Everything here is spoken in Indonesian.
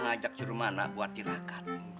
ngajak si rumana buat tirakat